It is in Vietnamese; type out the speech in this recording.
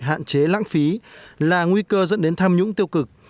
hạn chế lãng phí là nguy cơ dẫn đến tham nhũng tiêu cực